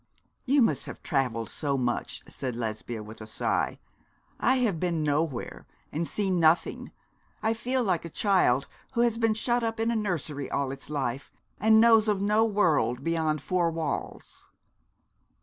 'You must have travelled so much,' said Lesbia, with a sigh. 'I have been nowhere and seen nothing. I feel like a child who has been shut up in a nursery all its life, and knows of no world beyond four walls.'